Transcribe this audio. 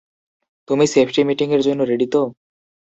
তুমি সেফটি মিটিংয়ের জন্য রেডি তো?